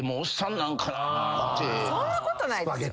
そんなことないですよ。